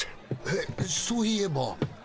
えっそういえば。